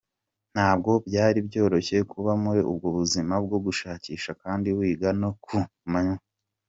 Ntabwo byari byoroshye kuba muri ubwo buzima bwo gushakisha kandi wiga no ku manywa.